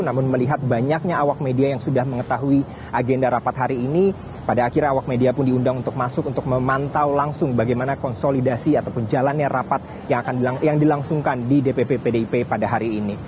namun melihat banyaknya awak media yang sudah mengetahui agenda rapat hari ini pada akhirnya awak media pun diundang untuk masuk untuk memantau langsung bagaimana konsolidasi ataupun jalannya rapat yang dilangsungkan di dpp pdip pada hari ini